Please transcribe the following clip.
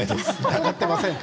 疑っていません。